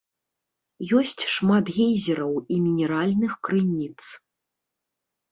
Ёсць шмат гейзераў і мінеральных крыніц.